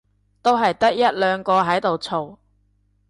都係得一兩個喺度嘈